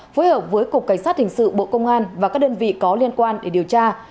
phối hợp với cục cảnh sát hình sự bộ công an và các đơn vị có liên quan để điều tra